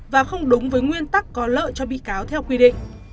và không đúng với nguyên tắc có lợi cho bị cáo theo quy định